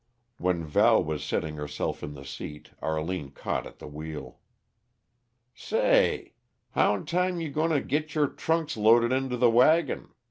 "When Val was settling herself in the seat, Arline caught at the wheel. "Say! How'n time you goin' to git your trunks loaded into the wagon?"